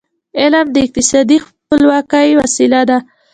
علم د اقتصادي خپلواکی وسیله ده.